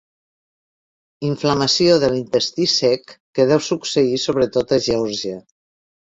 Inflamació de l'intestí cec que deu succeir sobretot a Geòrgia.